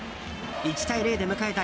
１対０で迎えた